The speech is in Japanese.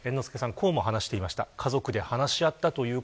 こうも話していました。